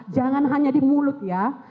jangan hanya di mulut ya